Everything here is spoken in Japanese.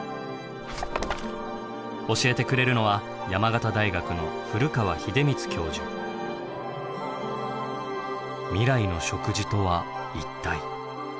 教えてくれるのは未来の食事とは一体。